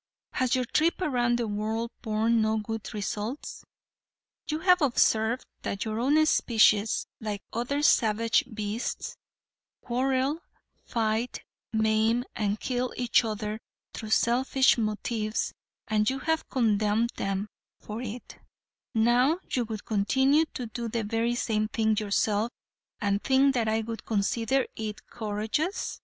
Has your trip around the world borne no good results? You have observed that your own species, like other savage beasts, quarrel, fight, maim and kill each other through selfish motives, and you have condemned them for it; now you would continue to do the very same thing yourself and think that I would consider it courageous.